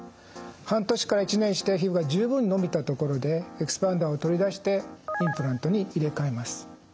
半年から１年して皮膚が十分伸びたところでエキスパンダーを取り出してインプラントに入れ替えます。